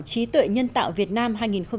trí tuệ nhân tạo việt nam hai nghìn một mươi tám